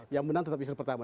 yang menang tetap istri pertama